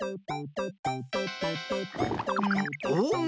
お？